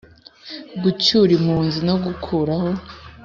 Gucyura impunzi no gukuraho